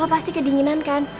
rin lo pasti kedinginan kan